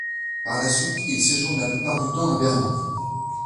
Par la suite, il séjourne la plupart du temps à Berlin.